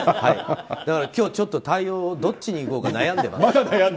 だから今日、対応をどっちにいこうか悩んでます。